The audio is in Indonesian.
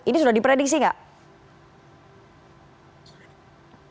ini sudah diprediksi nggak